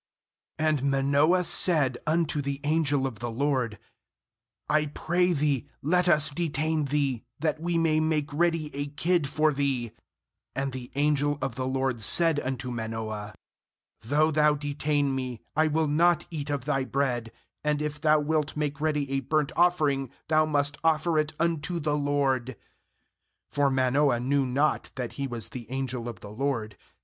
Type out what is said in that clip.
15And Manoah said unto the angel of the LORD: 'I pray thee, let us detain thee, that we may make ready a kid for thee/ 16And the angel of the LORD said unto Manoah: 'Though thou detain me, I will not eat of thy bread; and if thou wilt make ready a burnt offering, thou must offer it unto the LORD.' For Manoah knew not that he was the angel of the LORD.